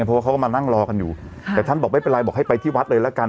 เพราะว่าเขาก็มานั่งรอกันอยู่แต่ท่านบอกไม่เป็นไรบอกให้ไปที่วัดเลยละกัน